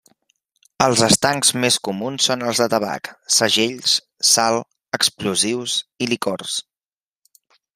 Els estancs més comuns són els de tabac, segells, sal, explosius i licors.